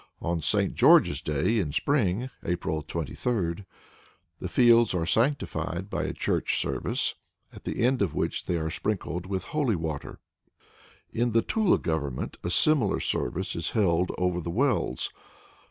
On St. George's Day in spring, April 23, the fields are sanctified by a church service, at the end of which they are sprinkled with holy water. In the Tula Government a similar service is held over the wells.